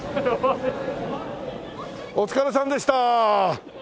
お疲れさんでした！